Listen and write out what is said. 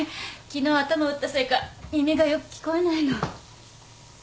昨日頭打ったせいか耳がよく聞こえないの。